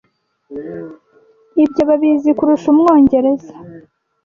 ibyo babizi kurusha umwongereza